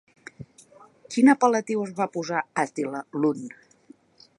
Quin apel·latiu es va posar Àtila l'hun?